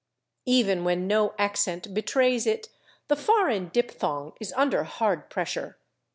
Even when no accent betrays it, the foreign diphthong is under hard pressure.